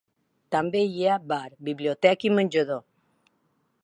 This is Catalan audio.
També hi ha bar, biblioteca i menjador.